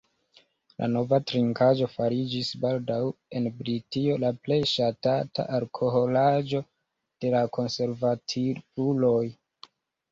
La nova trinkaĵo fariĝis baldaŭ en Britio la plej ŝatata alkoholaĵo de la konservativuloj.